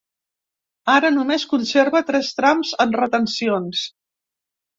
Ara només conserva tres trams amb retencions.